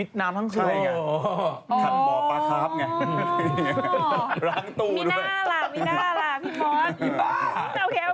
ข้าวใส่ข้าวใส่ข้าว